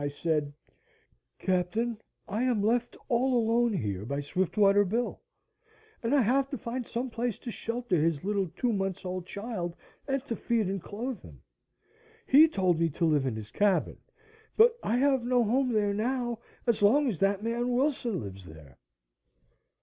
I said: "Captain, I am left all alone here by Swiftwater Bill and I have to find some place to shelter his little two months' old child and to feed and clothe him. He told me to live in his cabin. But I have no home there now as long as that man Wilson lives there."